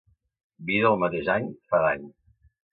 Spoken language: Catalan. Vi del mateix any fa dany.